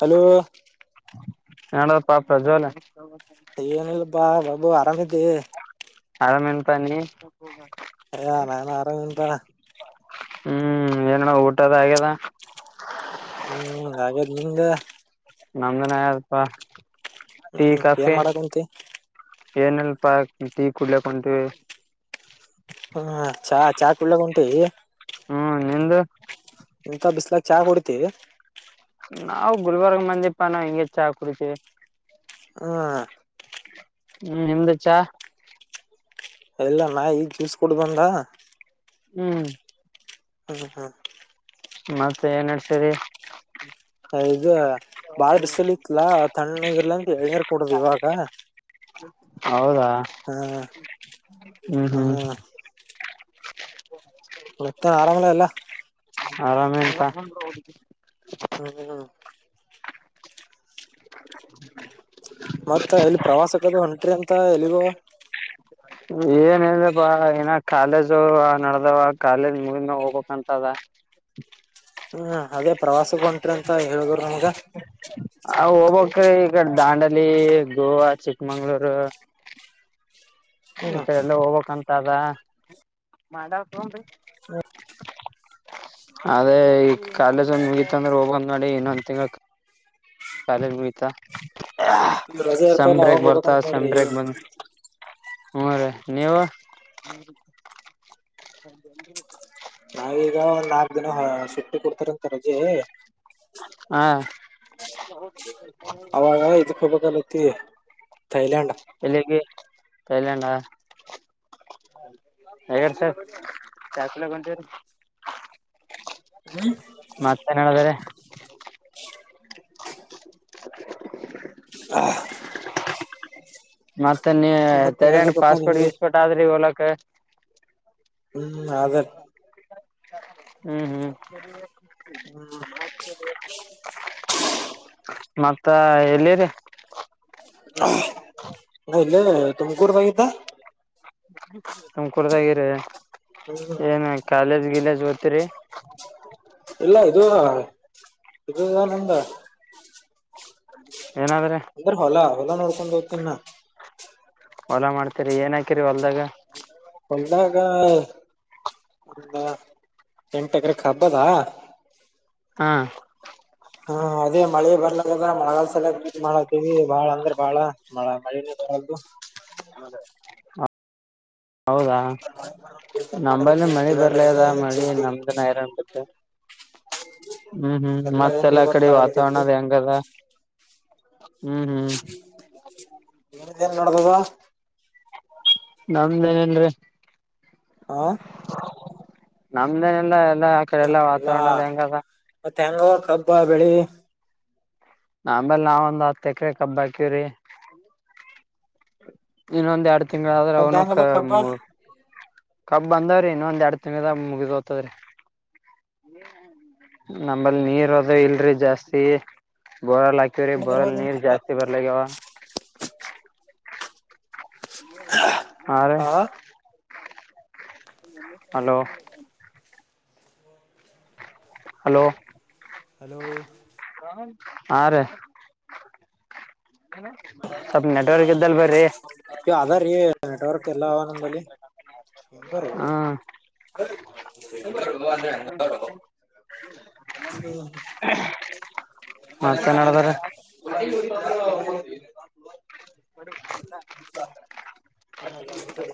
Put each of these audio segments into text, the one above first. Hello ನಡದ ಪಾಪ ಜ್ವಾಲ ಏನಿಲ್ಲಪ್ಪಾ ಬಾಬು ಆರಾಮಿದ್ದ ಆರಾಮೇನ್ಪ ನೀ ಅಯಾ ನಾನನ್ ಆರಮಿನ ಅಣ್ಣಾ ಹ್ಮ್ ಏನ ಊಟದ ಆಗ್ಯದ ಹ್ಮ್ ಹಾಗಾದ್ ನಿಮ್ದ ನಮ್ದನ ಯಪ್ಪಾ ಹ್ಮ್ ಏನ್ ಮಾಡ ಕುಂತೀ ಏನ ಇಲ್ಪಾ ಟೀ ಕುಡ್ಲಕ್ ಸನ್ ಟಿವಿ ಹ ಚಾ ಚಾ ಕುಡಿಯಕ್ ಹೊಂಟಿ ಹ್ಮ್ ನಿಂದು ಇಂತ ಬಿಸ್ಲಾಕ್ ಚಾ ಕೊಡ್ತಿವಿ ನಾವವು ಗುಲ್ಬರ್ಗ ಮಂದಿಪ ನಾವವು ಹಿಂಗಗೆ ಚಾ ಕುಡತಿವಿ ಹ ಹ್ಮ ನಿಮ್ದ ಚಾ ಎಲ್ಲ ನಾ ಈಗ ಜ್ಯೂಸ್ ಕುಡ ಬಂದ ಹ್ಮ್ ಹ್ಮ ಹಾ ಮತ್ತೆ ಏನ್ಡ್ಸರಿ ಹ ಇದು ಬಾಳ ಬಿಸಿಲಿತ್ತಲ್ಲ ತಣ್ಣಗಿರ್ಲಿ ಅಂತ. ಎಳ್ನೀರ್ ಕುಡಿದಿವಿ ಇವಾಗ ಹೌದಾ ಅ ಹ್ಮ್ ಹ್ಮ್ ಅ ಮತ್ತೆ ಆರಾಮ ಎಲ್ಲಾ ಹ [inaudible] ಹ್ಮ [inaudible] ಮತ್ತ ಎಲ್ಲಿ ಪ್ರವಾಸಕ್ಕದು ಹೊಂಟ್ರಿ ಅಂತ ಎಲ್ಲಿಗೂ ಏನ್ಲ್ಪ್ಪಾ ಏನ ಕಾಲೇಜು ನಡ್ದವ ಕಾಲೇಜ್ ಮುಗಿನ ಹೋಗಬೇಕಂತದ ಹಾ ಅದೇ ಪ್ರವಾಸಕ್ಕೆ ಹೊಂಟ್ರರಿ ಅಂತ ಹೇಳಿದ್ರ ನಮಗ ಈಡೆ ದಾಂಡಲಿ ಗೋವಾ ಚಿಕ್ಕ ಮಂಗ್ಳೂರು ಹ್ಮ್ ಮತ್ತ ಎಲ್ಲ ಹೋಗ್ಕ್ಂತ ಅದಾ ಮಾಡಾಕ [inaudible] ಅದೇ ಈ ಕಾಲೇಜ್ ಒಂದ್ ಮುಗೀತ ಅಂದ್ರೆ ಹೋಗಂದ್ ನೋಡಿ ಇನ್ನೊಂದ್ ತಿಂಗಳ ಕಾಲೇಜ್ ಮುಗಿತಾ ರಜೆ ಇರ್ತವಲ್ಲ ಅವಂಗ ಹೋಗಬೇಕಂತ ಸೆಮ್ ನೋಡ್ರಿ ಬ್ರೇಕ್ ಬಂದ ಹ್ಮ ರ ನೀವು [inaudible] ನಾವೀಗ ಒಂದ್ ನಾಲ್ಕ್ ದಿನ ಸುಟ್ಟಿ ಕೊಡ್ತಾರ ರಜೆ ಹ [inaudible] ಅವಾಗ ಇದಕ್ಕ ಹೋಗಕತ್ತಿ ಥೈಲ್ಯಾಂಡ್ ಎಲ್ಲಿಗೆ ಹಗಾರ ಸರ್ ಚಾ ಕುಡಿಯಕ್ಕ ಹೊಂತೀರ ಮತ್ತೇನ್ ಹೇಳಿದ್ರೆ ಆ [inaudible] ಮತ್ ತೇ ಮತ್ ಥೈಲ್ಯಾಂಡ್ ಹೇಳ್ಬೇಕಪ್ಪಾ ಪಾಸ್ಪೋರ್ಟ್ ನಿಮ್ಗೆ ಗೀಸ್ಪೋರ್ಟ್ ಆದ್ರೆ ಇವಲ [inaudible] ಹ್ಮ್ ಅದ [inaudible] ಹ್ಮ್ ಹ್ಮ್ ಹ್ಮ ಮತ್ತ ಎಲ್ಲಿರಿ? ಇಲ್ಲೆ ಅದಿನಿ ತುಮಕೂರದಾಗ ಇದ್ದ [inaudible] ತುಮಕೂರದಾಗ ಅದಿರಿ ಏನ ಕಾಲೇಜ್ ಗಿಲೇಜ್ ಓದ್ತಿರಿ ಇಲ್ಲಾ ಇದು ಇದು ಅದ ನಂದ [inaudible] ಏನ ಅದ್ರಿ ಅಂದ್ರ ಹೊಲ ಹೊಲ ನೋಡ್ಕೊಂಡ ಹೋಗತನ ನಾ ಹೊಲಾ ಮಾಡ್ತರಿ ಏನ್ ಹಾಕಿರಿ ಹೊಲ್ದಾಗ? ಹೊಲದಾಗ ಹುಲ್ಲ ಎಂಟ ಎಕರೆ ಕಬ್ಬ ಅದ ಹಾ ಹಾ ಅದೇ ಮಳೆ ಬರ್ಲ ಆಗೇದ ಮಳಗಾಲ ಸಲಗ ಬಿ ಮಾಡಾತೀವಿ ಬಾಳಂದ್ರ ಬಾಳ ಮಳ ಮಳಿನೆ ಬರಲಾರದ ಹೌದಾ ಏನ್ ಮಾಡಬೇಕ ನಂಬಲ್ಲಿ ಏನ್ ಮಳಿ ತಿಳಿಯಲ್ಲ ಬರ್ಲ ಆಗೇದ ಏನ್ ಮಳಿ ಸುದ್ದಿ ನಮ್ದ [unintelligible] ಹ್ಮ್ ಹ್ಮ್ ಎಲ್ಲಾ ಹೆಂಗ ಮತ್ತೆಲ್ಲಾ ಕಡೆ ವಾತಾವರಣ ಗೊತ್ತಾಗಲಕತ್ರಿ ಅದು ಹೆಂಗದ [inaudible] ಹ್ಮ್ ಹ್ಮ್ ನಿಮ್ಮದ ಹೆಂಗ ನಡದ ನಮ್ದೇನನ ಏನ್ರಿ ಹಾ ನಮ್ದೇನೆಲ್ಲಾ ಎಲ್ಲ ಆ ಕಡೆ ಎಲ್ಲ ಎಲ್ಲಾ ವಾತಾವರಣದ ಹೆಂಗದ? ಮತ್ತ ಹೆಂಗದ ಕಬ್ಬಾ ಬೇಳಿ ನಂಬಲೆ ನಾವೊಂದ ಹತ್ತ ಎಕರೆ ಕಬ್ಬ ಹಾಕಿವ್ರಿ ಇನ್ನೊಂದ್ ಎರಡ್ ತಿಂಗಳಾದ್ರೆ ಕಬ್ಬ ಅವನು ಹೆಂಗದ ಕಬ್ಬ ಕಬ್ಬ ಬಂದಾವ್ರಿ ಇನ್ನೊಂದ್ ಎರಡ್ ತಿಂಗದ ಮುಗಿದ್ಹೋಗತದ್ರಿ ನಂಬಲ್ಲಿ ನೀರ ಅದ ಇಲ್ರಿ ಜಾಸ್ತಿ ಬೋರವೆಲ್ ಹಾಕವ್ರಿ ಬೋರವೆಲ್ ನಿಮ್ ನೀರ್ ಕಬ್ಬ ಜಾಸ್ತಿ ಬರಲ್ಲ ಆಗೇದ ಹಾ ಲೆ. ಆ ಹಲೋ. ಹಲೋ. ಹಲೋ. ಹಾ ರೇ. ಇದ್ದಲ್ ಬರ್ರಿ ಅದ ರೀ ನೆಟ್ವರ್ಕ್ ಎಲ್ಲ ಅವ ನಂಬಲಿ ಹೆಂಗಾರ ಹ್ಮ ಹ್ಮ. ಮತ್ತೇನ್ ನಡದದ್ರಿ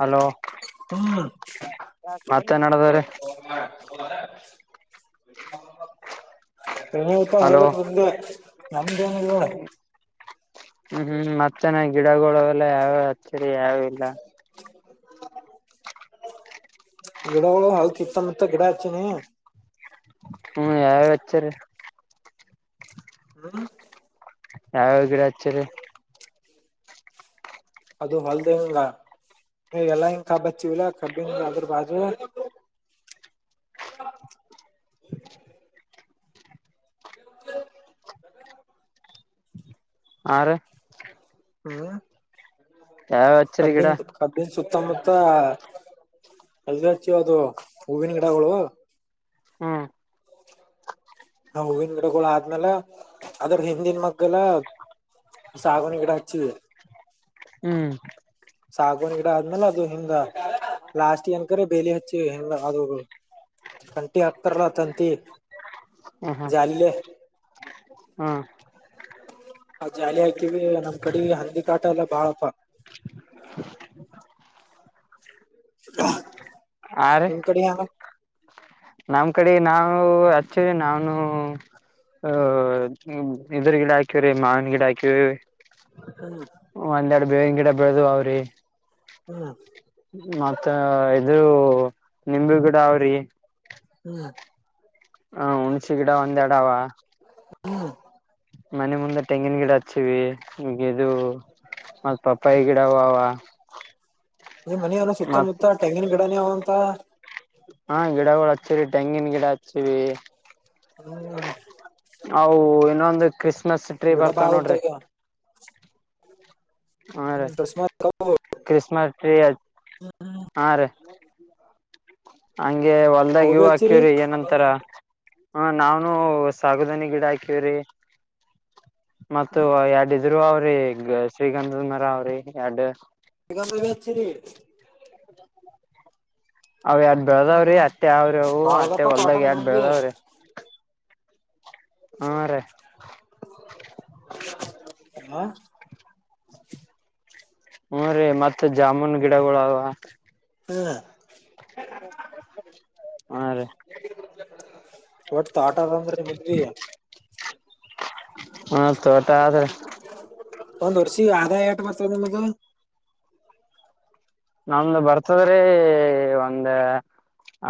ಹಲೋ ಮತ್ತೇನಡದರಿ. ಹೂ ಪಾ ಹಲೋ ಹೇಳಬೇಕು ದೋಸ್ತ್ ನಮ್ದು ಏನ್ ಇಲ್ಲ ನೋಡ್. ಹ್ಮ್ ಹ್ಮ್ ಮತ್ತ ಇನ ಗಿಡಗೊಳ. [inaudible] ಯಾವ ಅಚ್ಚರಿ ಯಾವ ಯಾವ ಇಲ್ಲ. ಗಿಡಗಳುಳ ಹಾಲ್ಚುಚ್ಛಲ್ಲ ಅಂತ ಗಿಡ ಹಚ್ಚಿನಿ. ಹ್ಮ್ ಯಾವ ಯಾವ ಹಚ್ಚಿರಿ. ಹ್ಮ. ಯಾವಾವ ಗಿಡ ಹಚ್ಚಿರಿ. ಅದು ಹೊಲ್ದ ಇಲ್ಲ ಹಿಂಗ ಎಲ್ಲಾ ಹಿಂಗ ಕಬ್ಬ ಹಚ್ಚಿವಲ್ಲ ಕಬ್ಬಿ ಅದ್ರ ಬಾಜು. [inaudible] ಹಾ ರಿ. ಹ್ಮ್. ಯಾವ್ಯಾವ ಹಚ್ಚಿರಿ ಗಿಡ. ಸುತ್ತ ಮುತ್ತ ಅದ. ಹೂವಿನ ಗಿಡಗಳು. ಹ್ಮ. ಆ ಹೂವಿನ ಗಿಡಗಳು ಆದ್ಮೇಲೆ. ಅದ್ರ ಹಿಂದಿನ ಮಗ್ಗಲ. ಸಾಗವಾನಿ ಗಿಡ ಹಚ್ಚಿ. ಹ್ಮ್. ಸಾಗವಾನಿ ಗಿಡ ಆದ್ಮೇಲೆ ಅದು ಹಿಂಗ ಲಾಸ್ಟ್ ಏನ್ಕ್ರ ಬೇಲಿ ಹಚ್ಚಿ ಹಂಗ ಅದು ಕಂಟಿ ಹಾಕ್ತಾರಲ್ಲ ತಂತಿ. ಹ್ಮ ಹ್ಮ ಜಾಲಿಲೆ. ಹ್ಮ್. ಆ ಜಾಲಿ ಆಗ್ತೀವಿ ನಮ್ ಕಡೆ ಹಂದಿ ಕಾಟ ಎಲ್ಲ ಬಾಳ ಪಾ. [inaudible] ಹ. ಆ ರಿ ನಮ್ ಕಡೆ ನಾವ್. ಆಕ್ಚುಲಿ ನಾವ ಅ ಇದ್ರ ಗಿಡ ಹಾಕಿವ್ರೀ ಮಾವಿನ ಗಿಡ ಹಾಕಿವ. ಹ್ಮ್ ಒಂದೆರಡು ಬೇವಿನ ಗಿಡ. ಬೆಳದುವ ಅವ್ರಿ. ಹ್ಮ್. ಮತ್ತ ಇದರು ನಿಂಬಿ ಗಿಡ ಅವ್ರಿ ಹ್ಮ್ ಹ ಹುಣ್ಸಿ ಗಿಡ ಒಂದೆಡ ಅವ ಮನೆ ಮುಂದೆ ತೆಂಗಿನ ಗಿಡ ಹಚ್ಚಿವಿ ದು ಮತ್ ಪಪ್ಪಾಯ ಗಿಡವಾವ ನಿಮ್ ಮನಿಯನ ಮತ್ ಸುತ್ತಮುತ್ತ ತೆಂಗಿನ [inaudible] ಹಾ ಗಿಡಗಳು ಹಚ್ಚರಿ ತೆಂಗಿನ ಗಿಡ [inaudible] ಹ್ಮ್ ಹೌ ಇನೊಂದು ಕ್ರಿಸ್ಮಸ್ ಟ್ರೀ ಗಿಡ ಬರ್ತಾವ ಬಾಳ ನೋಡ್ರಿ ಉದ್ದಗ್ಯಾವ ಹಾ ರೀ ಹ್ಮ್ ಅಕಸ್ಮಾತ್ ಕ್ರಿಸಿಸ್ಮಸ್ ಟ್ರೀ ಹಾ ರೀ ಹಂಗೆ ಹೊಲ್ದಾಗ ಅವುಬಿ ಇವು ಹಚ್ಚಿರಿ ಅಕಿವ್ರು ಏನಂತಾರ ಹ್ಮ ನಾವೂ ಸಾಗುದನಿ ಗಿಡ ಹಾಕಿವ್ರಿ ಮತ್ತ ಎರಡ ಇದರು ಅವ್ರಿ ಶ್ರೀಗಂಧ ಮರ ಅವ್ರಿ ಎರಡು ಈಗಗ ರೀ [unintelligible] ಅವ ಎಡ್ ಬೆಳೆದಾವ್ರಿ ಅತ್ತೆ ಅವಾವ್ರಿ ಅವು ಅತ್ತೆ ಬಾಳದಪ್ಪ ತೋಟ ಹೊಲ್ದಾಗ ಎಡ್ ನಿಮಗ್ಬಿ ಬೆಳದಾವ್ರಿ ಹೂ ರಿ ಹ [inaudible] ಹ್ಮ ರೀ ಮತ್ತತ್ ಜಾಮೂನ್ ಗಿಡಗಳಾವ ಹ್ಮ [inaudible] ಹಾ ರೀ ಒಟ್ ತೋಟ ಅದ ಅಂದ್ರ ನಿಮಗ್ಬಿ [inaudible] ಹಾ ತೋಟ ಆದ್ರೆ ಒಂದ್ ವರ್ಷಿ ಅಧಾ ಎಟ ಬರ್ತದೆ ನಿಮದು ನಮ್ದ ಬರ್ತದ್ರೀ ಒಂದ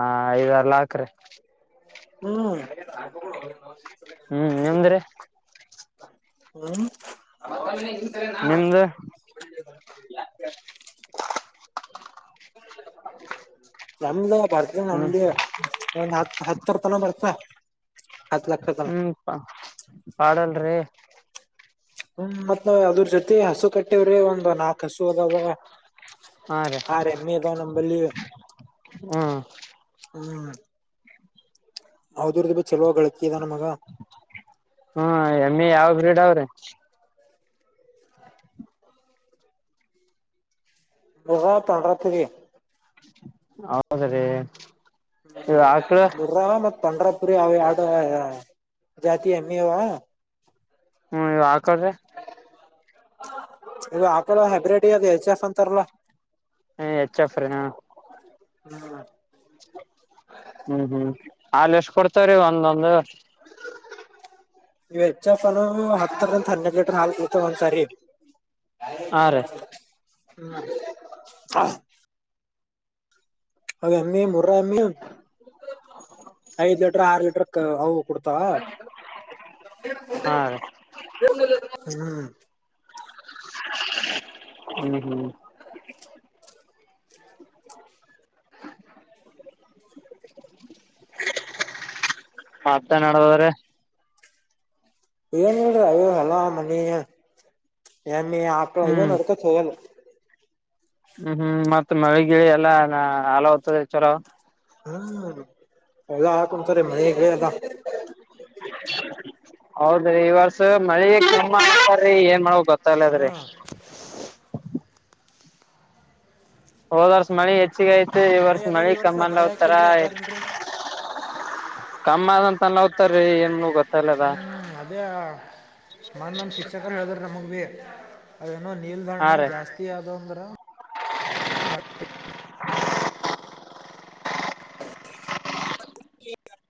ಆ ಐದರ್ ಲಾಖ ರೀ ಹ್ಮ್ ಹ್ಮ್ ನಿಮ್ದ್ರೆ ಹ್ಮ್ [inaudible] [inaudible] ನಿಮ್ದು ನಿಮ್ದು ನಮ್ದು ಬರ್ತ ಹ್ಮ್ ನಮ್ದ ಒಂದ್ ಹತ್ತು ಹತ್ ಹರ್ತನ ಬರ್ತ ಹತ್ ಲಕ್ಷ ತನ. ಹ್ಮ್ [unintelligible] ಪಾಡಲ್ರಿ ಹ್ಮ ಮತ್ ನಾವ್ ಅದ್ರ ಜೊತೆ ಹಸು ಕಟ್ಟಿವವ್ರೆ ಒಂದು್ ನಾು ಕಸು ಅತ ಬ ಹಾ ರೀ ಹ ರೆೀದ ನಬಲಿ ಹ್ಮ್ ಹ್ಮ್ ಹೌದರದ ಬ ಚಲೋಾಗಳೆ ಹ್ಮ ಎಮ್ಮೆ ಯಾವ ಗ್ರೇಡ್ ಆ ಸ ಎದ ಪೊಂದ್ರರ ತೀೀ ಹೌದ ರೀ ನಿ ಮತ್ತ ಪಂಡ್ರಾಪುರಿ ಅವ ಯಡು ಜಾತಿ ಹೆಮ್ಮಿವ ಹ್ಮ್ ಹಾಕದ್ರೆ ಇದು ಆಾಕಲ್ಲ ಹೈಬ್ರೇಡ್ ಅದು ಎಚ್ ಎಫ್ ಅಂತಾರಲ್ಲ ಹ್ಮ ಹೆಚ್ಫ್ರ ಹ ಹ್ಮ್ ಹ್ಮ್ ಅಲ್ ಎಷ್ಟ್ ಕೊಡ್ತ್ರೀ ಒಂದೊಂದು ವೆಚ್ಚಪ್ಪನು ಹತ್ತಂತ ಹನ್ನಕ ಲೀಟ್ರ ಹಾಲ್ ಇತ ಒಂದ ಸರಿ ಹಾ ರೀ ಹ ಹ್ಮ ಹ ಹಾಗ ಅಮ್ಮಿ ಮುರ್ರ ಅಮ್ಮಿ ಐದ್ ಲಿಟರ್ ಆರು ಲೀಟರ್ ಹೌ ಕೊತಾ ಹಾ ರೀ ಹ್ಮ್ ಹ್ಮ ಹ್ಮ್ ಮತ್ತನ್ಡಬದ್ರೆ ಏನ್ ಹೇಳ ಅಯ್ಯೋ ಅಲಾ ಮನ ಎಮ್ಮ ಆಳ ಇವ ಹ್ಮ್ ನೋಡ್ಕ ಸಲ್ಲ ಹ್ಮ್ ಹ್ಮ್ ಮತ್ತತ್ ಮಳಗಿಳಿ ಎಲ್ಲಾ ಹಲ ಹ್ತದೆ ಚರ ಹ್ಮ ಎಲ್ಲ ಯಾ ಕುಂಂತಾರೆ ಮನೆಗ್ ಬ ಅಲ್ಲ ಹೌದೀ ಈವರ್ ಮಳೆ ತುಮ್ಮಾ ಆತೀ ಏನ್ ಮಾಡ ಗೊತ್ತಲ್ಲದ್ರಿ ಹ್ಮ್ ಹೋದರ್ಸ ಮಳೆ ಐ ಗಯತು ಈ ಮಳೆ ವರ್ಷ ಅದಾರೀ ಮಳಿ ಈ ವರ್ಷ ಕಮ್ಮಲ್ಲಿ ಮಳೆ ಹೋಗ್ತಾರ ಹಾಕಿಲ್ರಿ ಅದಾರಿಲ್ರಿ ಕಮ್ಮ ಪನ್ತಾರೀ ಹ್ಮ್ ಅಧ್ಯ ಮನ್ ನಮ್ ಶಿಕ್ಷಕರು ಹೇಳಿದ್ರ ನ ಮೂಗ್ ಬಿ ಯೇ ಅನ್ನೋ ಹಾ ನೀಲ್ದಣ ರೀ ಜಾಸ್ತಿ ಆದ ಅಂದ್ರ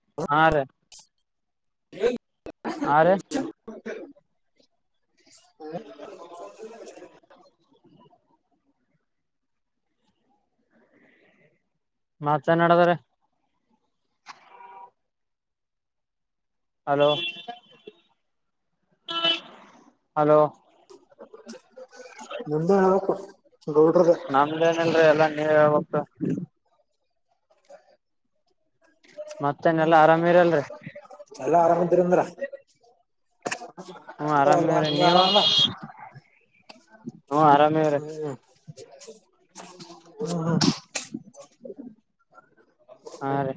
ಹ ಹಾ ರೇ ಎ ಆರೆ ಹಾ ಮಾಚಾ ನಡೆದರೆ ಹಲೋ ಹಲೋ ಹೆ ಗೌಡ್ರದ ನಮ್ದೇನಲ್ರೀ ಎಲ್ಲ ನೀವೇ ಹೇಳ್ಬೇ ಕ ಮತ್ತೇನೆಲ್ಲಾ ಆರಾಮಿ ಎಂದ್ರಿ ಎಲ್ಲಾ ಆರಾಮಂತರಂದ್ರ ಹ್ಮ ಆರಾಮೇರೀ ನೀವು ಹ್ಮ ಆರಾಮೇ ಇ್ರ ಹ್ಮ್ಮ್ ಹಾ ರೀ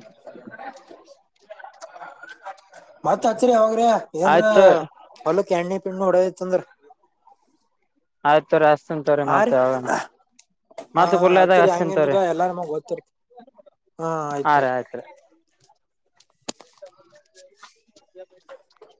ಮತ್ತತ್ ಅಚ್ಚರಿ ಅವಾಗ ಂದ್ರ ಆಯ್ತು ಹೊಲಕ್ಕೆ ಎಣ್ಣಿದ್ ಪಣ್ಣುಡತಂದ್ರೆ ಆಯ್ತು ರ ಆ ರೀ ಹ ಮತ್ ಕುಲ್ಲದಾಗ ಅಚ್ಚರಿ ಹಸ್ತಿನ್ ತವ್ರಿ ಹಂಗನ್ಗ ಎಲ್ಲಾರಮಗ ಓದ್ತಿರ್ತಿ ಹಾ ರೀ ಆಯ್ತರಿ ಆಯ್ತ್ರಿ [unintelligible]